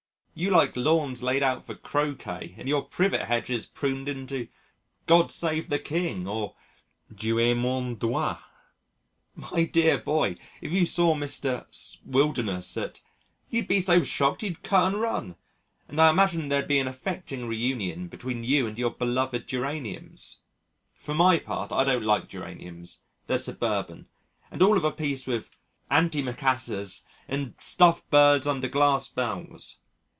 You like lawns laid out for croquet and your privet hedges pruned into 'God Save the King' or 'Dieu et mon droit.' My dear boy, if you saw Mr. 's wilderness at you'd be so shocked you'd cut and run, and I imagine there'd be an affecting reunion between you and your beloved geraniums. For my part, I don't like geraniums: they're suburban, and all of a piece with antimacassars and stuffed birds under glass bells.